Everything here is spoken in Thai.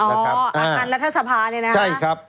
อ๋ออัตรรัศสภาอ๋ออัตรรัฐสภานะครับ